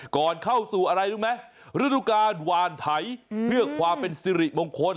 ก่อนเข้าสู่อะไรรู้ไหมฤดูการหวานไถเพื่อความเป็นสิริมงคล